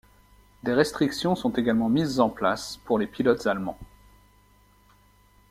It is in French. Des restrictions sont également mises en place pour les pilotes allemands.